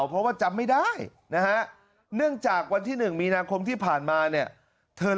เพราะว่าจำไม่ได้นะฮะเนื่องจากวันที่๑มีนาคมที่ผ่านมาเนี่ยเธอ